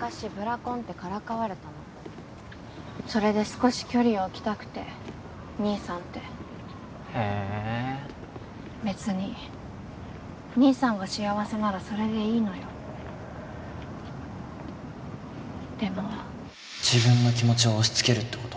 昔ブラコンってからかわれたのそれで少し距離を置きたくて兄さんってへえ別に兄さんが幸せならそれでいいのよでも自分の気持ちを押しつけるってこと？